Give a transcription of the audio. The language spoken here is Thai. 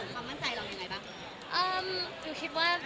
เป็นส่วนเสริมความมั่นใจหรอกยังไงป่ะ